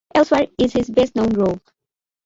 Elsewhere is his best known role.